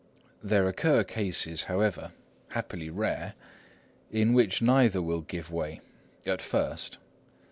There occur cases, however, happily rare, in which neither will give way—at first.